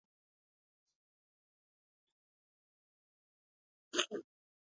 دا کلمه د اړتیاوو رفع کولو په معنا ده.